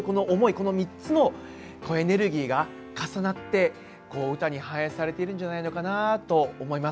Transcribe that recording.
この３つのエネルギーが重なって歌に反映されているんじゃないのかなと思います。